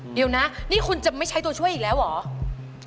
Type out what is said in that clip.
เดี๋ยวนะนี่คุณจะไม่ใช้ตัวช่วยอีกแล้วเหรอ